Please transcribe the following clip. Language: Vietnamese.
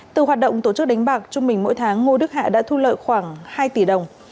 từ hoạt động tổ chức đánh bạc trung bình mỗi tháng ngô đức hạ đã thu lợi khoảng hai tỷ đồng